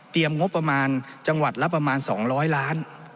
งบประมาณจังหวัดละประมาณ๒๐๐ล้าน